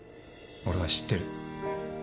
俺は知ってる。